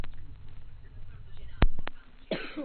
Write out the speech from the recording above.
Mezi jeho největší práce patří Výzva ke vzdělání.